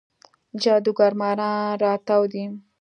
جادوګر ماران راتاو دی